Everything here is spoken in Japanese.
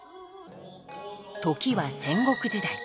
時は戦国時代。